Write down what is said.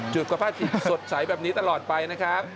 สุขภาพจิตสดใสแบบนี้ตลอดไปนะครับ